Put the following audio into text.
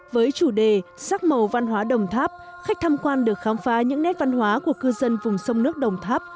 với chủ đề sắc màu văn hóa đồng tháp khách tham quan được khám phá những nét văn hóa của cư dân vùng sông nước đồng tháp